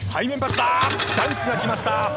ダンクが来ました。